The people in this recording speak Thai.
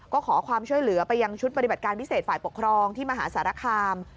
ก็ขอความช่วยเหลือไปยังชุดปฏิบัติการพิเศษฝ่ายปกครองที่มหาสารคาม